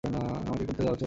আমাকে করতে দাও, চলো!